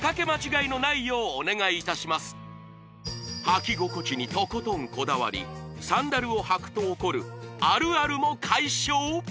履き心地にとことんこだわりサンダルを履くと起こるあるあるも解消！？